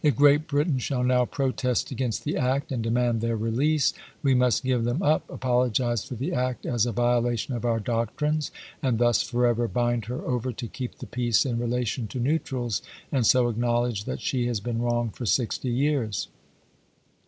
Great Britain shall now protest against the act, and demand their release, we must give them up, apolo u>s8in.ff. gize for the act as a violation of our doctrines, and ^lu'the"^ thus forever bind her over to keep the peace in re states! lation to neutrals, and so acknowledge that she has Vol. It., pp. n ■. „1 i5«. 157. been wi'oug tor sixty years."